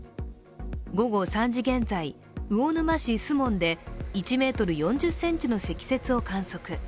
午後３時現在、魚沼市守門で１ｍ４０ｃｍの積雪を観測。